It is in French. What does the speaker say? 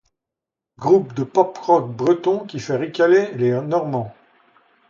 Groupe de poprock breton qui fait ricaner les Normands.